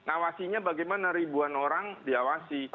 awasinya bagaimana ribuan orang diawasi